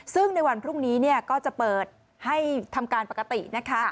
ซึ่งในวันพรุ่งนี้ก็จะเปิดให้ทำการปกตินะคะ